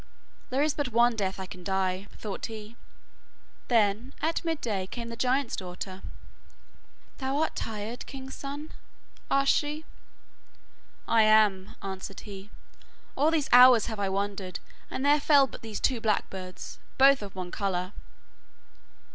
'There is but one death I can die,' thought he. Then at midday came the giant's daughter. 'Thou art tired, king's son?' asked she. 'I am,' answered he; 'all these hours have I wandered, and there fell but these two blackbirds, both of one colour.